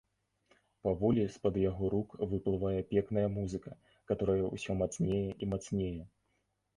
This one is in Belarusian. Паволі з-пад яго рук выплывае пекная музыка, каторая ўсё мацнее і мацнее.